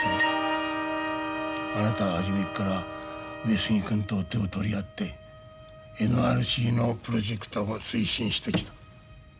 あなたは初めから上杉君と手を取り合ってＮＲＣのプロジェクトを推進してきた。